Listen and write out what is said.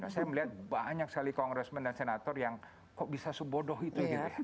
saya melihat banyak sekali kongresmen dan senator yang kok bisa sebodoh itu